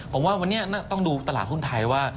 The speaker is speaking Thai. ผมว่าวันนี้ต้องดูตลาดหุ้นไทยว่า